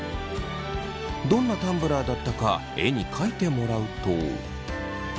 どんなタンブラーだったか絵に描いてもらうと。